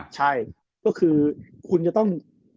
ใช่ก็คือคุณจะต้อง